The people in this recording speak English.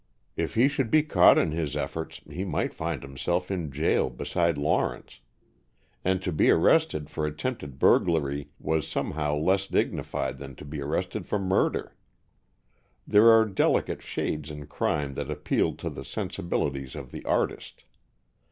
If he should be caught in his efforts, he might find himself in jail beside Lawrence. And to be arrested for attempted burglary was somehow less dignified than to be arrested for murder! There are delicate shades in crime that appeal to the sensibilities of the artist.